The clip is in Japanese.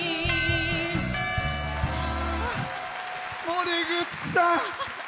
森口さん。